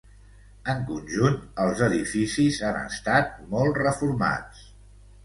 En conjunt els edificis han estat molt reformats.